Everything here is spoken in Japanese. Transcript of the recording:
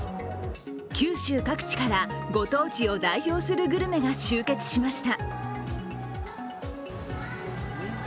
九州各地からご当地を代表するグルメが集結しました。